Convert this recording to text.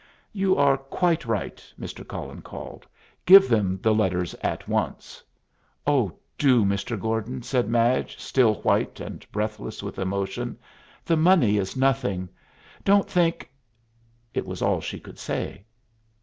"You are quite right," Mr. Cullen called. "Give them the letters at once." "Oh, do, Mr. Gordon," said Madge, still white and breathless with emotion. "The money is nothing. Don't think " It was all she could say.